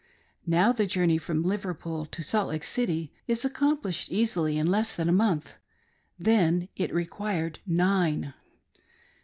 Now the journey from Liverpool to Salt Lake City is accomplished easily in less than a month ;— then it required nine.